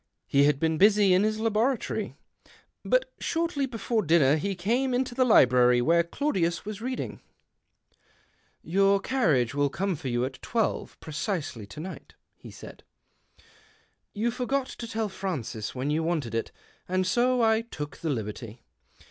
He had been busy in his laboratory. But shortly before dinner he came into the library where Claudius was reading. " Your carriage will come for you at twelve precisely to night," he said. " You forgot to tell Francis when you wanted it, and so I took the liberty.